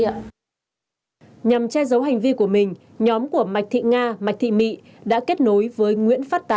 nhằm che giấu hành vi của mình nhóm của mạch thị nga mạch thị mị đã kết nối với nguyễn phát tán